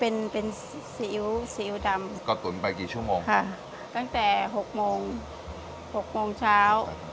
เป็นเป็นซีอิ๊วซีอิ๊วดำก็ตุ๋นไปกี่ชั่วโมงค่ะตั้งแต่หกโมงหกโมงเช้า